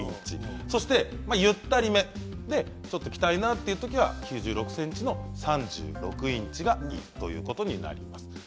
ゆったりめではきたいなというときは９６ｃｍの３６インチがいいということになります。